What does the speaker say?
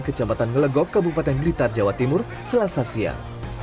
kecamatan ngelegok kabupaten blitar jawa timur selasa siang